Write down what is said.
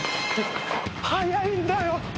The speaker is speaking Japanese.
速いんだよ。